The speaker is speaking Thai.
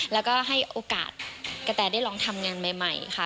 แล้วก็ให้โอกาสกระแตได้ลองทำงานใหม่ค่ะ